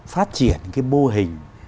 phát triển cái mô hình